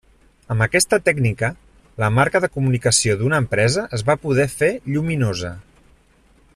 Amb aquesta tècnica, la marca de comunicació d'una empresa es va poder fer lluminosa.